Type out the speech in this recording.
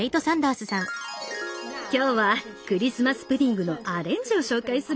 今日はクリスマス・プディングのアレンジを紹介するわ！